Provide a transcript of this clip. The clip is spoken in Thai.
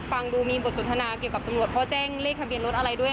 ฟังดูมีบทสนทนาเกี่ยวกับตำรวจเพราะแจ้งเลขทะเบียนรถอะไรด้วย